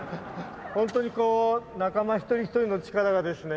ホントにこう仲間一人一人の力がですね